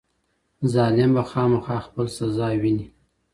ظالم به خامخا خپل سزاه ویني.